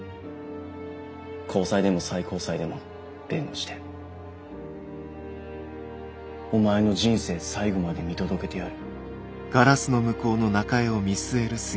高裁でも最高裁でも弁護してお前の人生最後まで見届けてやる。